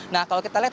nah kalau kita lihat